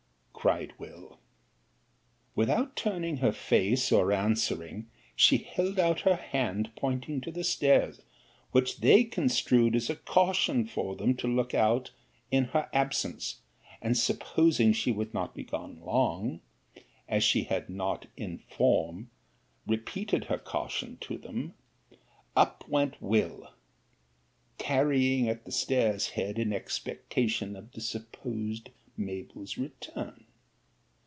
cried Will. 'Without turning her face, or answering, she held out her hand, pointing to the stairs; which they construed as a caution for them to look out in her absence; and supposing she would not be long gone, as she had not in form, repeated her caution to them, up went Will, tarrying at the stairs head in expectation of the supposed Mabell's return.